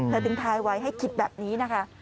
เธอดึงทายไว้ให้คิดแบบนี้นะคะ